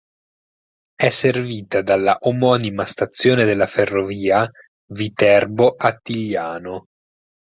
È servita dalla omonima stazione della Ferrovia Viterbo-Attigliano.